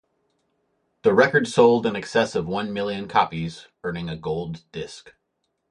The record sold in excess of one million copies, earning a gold disc.